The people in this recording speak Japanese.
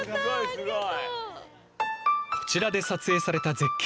すごい！